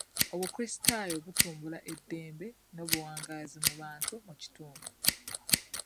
Obukulisitaayo butumbula eddembe n'obuwangazi mu bantu mu kitundu.